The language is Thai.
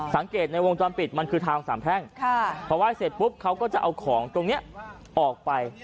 สังเกตในวงจรปิดมันคือทางสามแพร่งพอไห้เสร็จปุ๊บเขาก็จะเอาของตรงนี้ออกไป